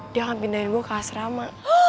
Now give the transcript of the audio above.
dia akan pindahin gue ke asrama